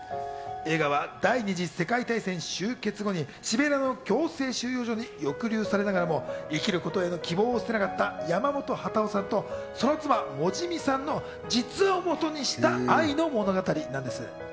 映画は第二次世界大戦終結後にシベリアの強制収容所に拘留されながらも生きることへの希望を捨てなかった山本幡男さんと、その妻・モジミさんの実話をもとにした愛の物語なんです。